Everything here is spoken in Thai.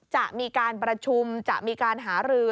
จะมีการประชุมจะมีการหารือ